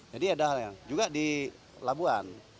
jadi ada hal yang juga di labuan